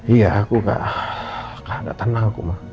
iya aku gak tenang